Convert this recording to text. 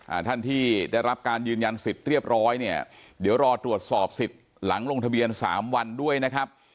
อ่าท่านที่ได้รับการยืนยันสิทธิ์เรียบร้อยเนี่ยเดี๋ยวรอตรวจสอบสิทธิ์หลังลงทะเบียนสามวันด้วยนะครับ